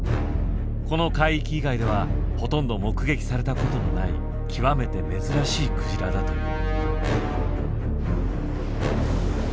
この海域以外ではほとんど目撃されたことのない極めて珍しいクジラだという。